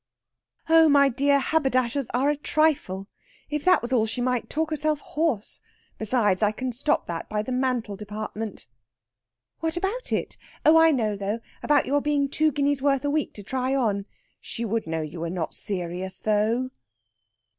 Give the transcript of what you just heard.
"Oh, my dear, haberdashers are a trifle! If that was all she might talk herself hoarse. Besides, I can stop that by the mantle department." "What about it? Oh, I know, though! about your being worth two guineas a week to try on. She would know you were not serious, though."